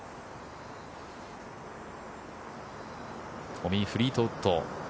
トミー・フリートウッド。